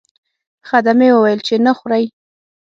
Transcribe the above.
خدمې وویل چې نه خورئ.